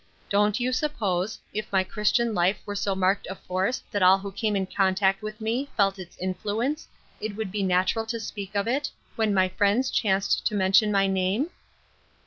Don't you suppose, if my Christian life were so marked a force that all who came in contact with me, felt its influence, it would be natural to speak of it, when my friends chanced to mention my name